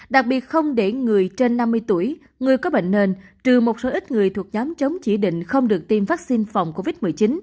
đặc biệt không để người trên năm mươi tuổi người có bệnh nền trừ một số ít người thuộc nhóm chống chỉ định không được tiêm vaccine phòng covid một mươi chín